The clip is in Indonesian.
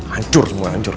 hancur semua hancur